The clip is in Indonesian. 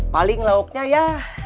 paling lauknya ya